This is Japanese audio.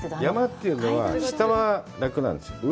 山っていうのは下が楽なんです。